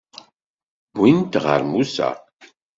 Wwin-t ɣer Musa.